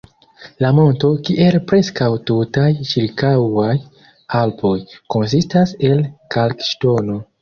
La monto, kiel preskaŭ tutaj ĉirkaŭaj Alpoj, konsistas el kalkŝtono.